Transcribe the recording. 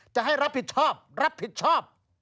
จะให้รับผิดชอบรับผิดชอบ